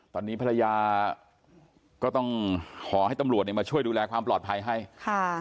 ตอนนี้ภรรยาก็ต้องขอให้ตำรวจเนี่ยมาช่วยดูแลความปลอดภัยให้ค่ะ